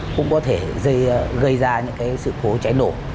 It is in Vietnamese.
cũng có thể gây ra những sự cố cháy nổ